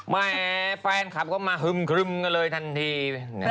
แมวแฮร์แฟนคัปก็มารึ้งโค้งกันเลยทันที